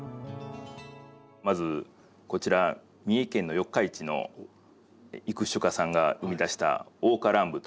まずこちら三重県の四日市の育種家さんが生み出した「桜花乱舞」という。